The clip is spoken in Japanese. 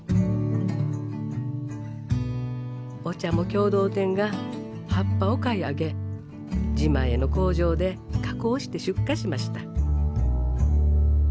お茶も共同店が葉っぱを買い上げ自前の工場で加工して出荷しました。